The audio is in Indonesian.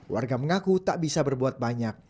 warga mengaku tak bisa berbuat banyak